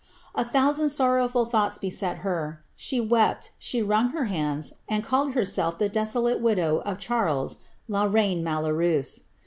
A thousand sorrowful thoughts Wi her ; she wept, she wrung her hands, and called herself the deso iite widow of Charles, la rcine malhcurcuse.